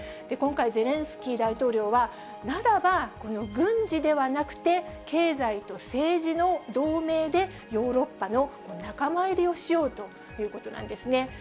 今回、ゼレンスキー大統領は、ならば、この軍事ではなくて、経済と政治の同盟で、ヨーロッパの仲間入りをしようということなんですね。